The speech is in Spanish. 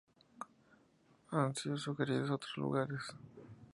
Han sido sugeridos otros lugares.